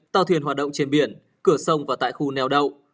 tàu thuyền hoạt động trên biển cửa sông và tại khu neo đậu